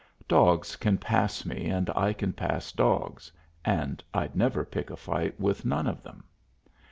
Dogs can pass me and I can pass dogs, and I'd never pick a fight with none of them.